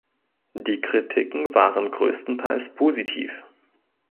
Die Kritiken waren größtenteils positiv.